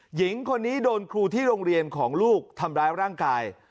หญิงคนนี้โดนครูที่โรงเรียนของลูกทำร้ายร่างกาย